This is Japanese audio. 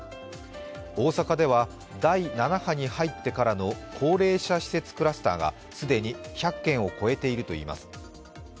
大阪では第７波に入ってからの高齢者施設クラスターが既に１００件を超えているといいます